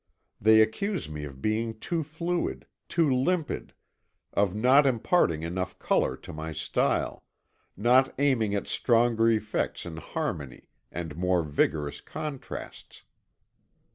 They accuse me of being too fluid, too limpid, of not imparting enough colour to my style, not aiming at stronger effects in harmony and more vigorous contrasts.